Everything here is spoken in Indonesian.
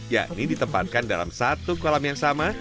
yakni ditempatkan dalam satu kolam yang sama